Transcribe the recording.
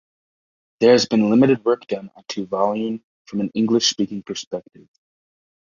There has been limited work done on Tuvaluan from an English-speaking perspective.